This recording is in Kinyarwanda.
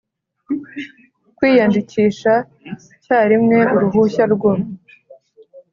kwiyandikisha cyarimwe uruhushya rwo